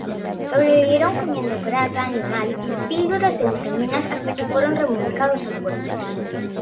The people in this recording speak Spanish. Sobrevivieron comiendo grasa animal y píldoras de vitaminas, hasta que fueron remolcados a puerto.